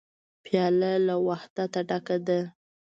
پیاله له وحدته ډکه ده.